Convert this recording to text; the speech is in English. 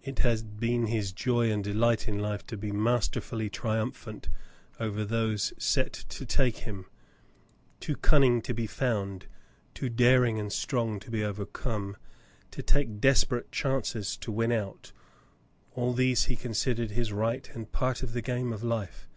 It had been his joy and delight in life to feel himself master fully triumphant over those set to take him, too cunning to be found, too daring and strong to be overcome, to take desperate chances and win out; all these he con sidered his right and part of the game of life.